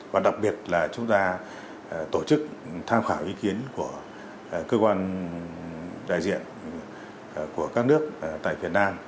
và đặc biệt là chúng ta tổ chức tham khảo ý kiến của cơ quan đại diện của các nước tại việt nam